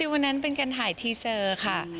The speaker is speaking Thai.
วันนั้นเป็นการถ่ายทีเซอร์ค่ะ